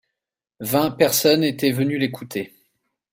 Vingt personnes étaient venues l'écouter.